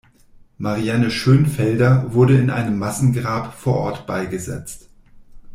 Marianne Schönfelder wurde in einem Massengrab vor Ort beigesetzt.